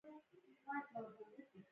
هغې د نازک زړه په اړه خوږه موسکا هم وکړه.